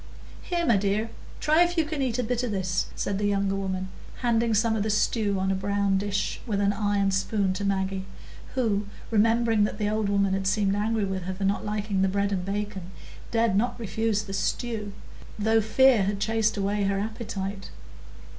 "Here, my dear, try if you can eat a bit o' this," said the younger woman, handing some of the stew on a brown dish with an iron spoon to Maggie, who, remembering that the old woman had seemed angry with her for not liking the bread and bacon, dared not refuse the stew, though fear had chased away her appetite.